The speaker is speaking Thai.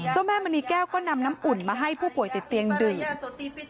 แม่มณีแก้วก็นำน้ำอุ่นมาให้ผู้ป่วยติดเตียงดื่ม